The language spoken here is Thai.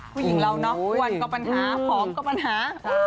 ผู้หญิงเราเนาะอ้วนก็ปัญหาผอมก็ปัญหา